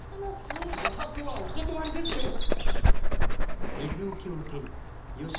吾作はお断りですけん！